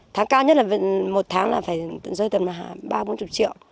tháng cao nhất là một tháng là phải rơi tầm ba bốn mươi triệu